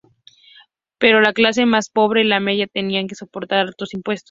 Pero la clase más pobre y la media tenían que soportar altos impuestos.